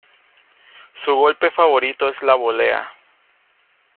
Su golpe favorito es la volea.